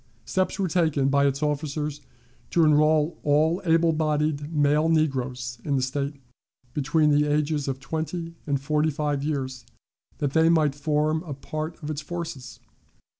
Steps were taken by its officers to enroll all able bodied male negroes in the State between the ages of twenty and forty five years, that they might form a part of its forces.